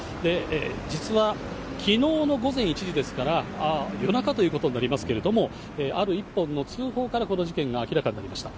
実はきのうの午前１時ですから、夜中ということになりますけれども、ある一本の通報から、この事件が明らかになりました。